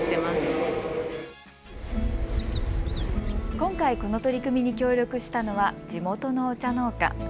今回この取り組みに協力したのは地元のお茶農家。